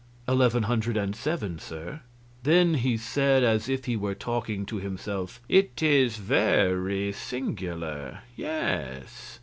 "Eleven hundred and seven, sir." Then he said, as if he were talking to himself: "It is ver y singular. Yes...